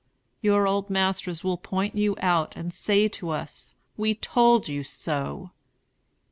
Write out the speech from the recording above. Your old masters will point you out and say to us, 'We told you so.'